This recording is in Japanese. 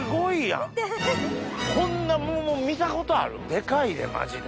デカいでマジで。